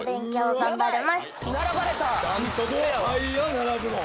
並ぶの。